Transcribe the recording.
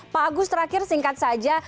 pak agus terakhir singkat saja